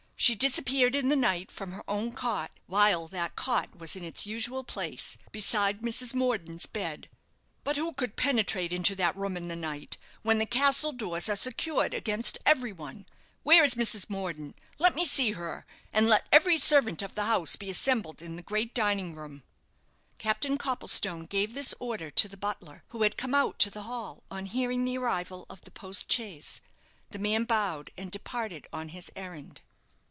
She disappeared in the night from her own cot, while that cot was in its usual place, beside Mrs. Morden's bed." "But who could penetrate into that room in the night, when the castle doors are secured against every one? Where is Mrs. Morden? Let me see her; and let every servant of the house be assembled in the great dining room." Captain Copplestone gave this order to the butler, who had come out to the hall on hearing the arrival of the post chaise. The man bowed, and departed on his errand.